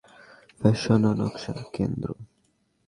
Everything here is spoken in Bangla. এ দুদিনে পালাজ্জো মেজানত্তে হবে ফ্যাশন ও নকশার কেন্দ্র।